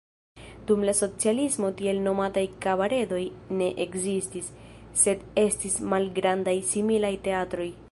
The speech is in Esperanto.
Dum la socialismo tiel nomataj kabaredoj ne ekzistis, sed estis malgrandaj similaj teatroj.